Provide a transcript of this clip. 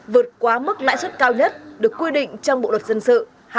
vượt quá mức lãi suất cao nhất được quy định trong bộ luật dân sự hai mươi